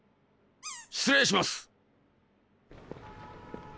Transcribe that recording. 失礼します！